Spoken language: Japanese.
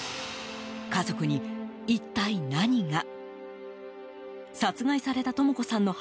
家族に一体何が。